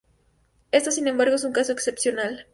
Esto, sin embargo es un caso excepcional.